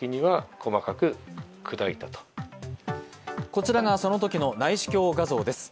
こちらが、そのときの内視鏡画像です。